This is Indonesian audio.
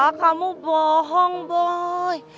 biar gak ada permusuhan lagi